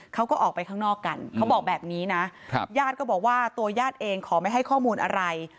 เขาก็ออกไปข้างนอกกันเขาบอกแบบนี้นะญาติก็บอกว่าตัวญาติเองขอไม่ให้ข้อมูลอะไร